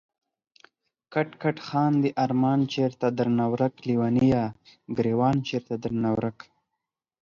کټ کټ خاندی ارمان چېرته درنه ورک ليونيه، ګريوان چيرته درنه ورک